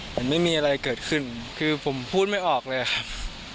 ไม่มีอะไรเกิดขึ้นคือผมพูดไม่ออกเลยครับ